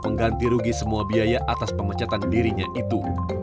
mengganti rugi semua biaya atas pemecatan dirinya itu